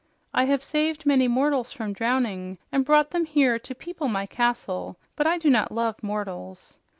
I have saved many mortals from drowning and brought them here to people my castle, but I do not love mortals.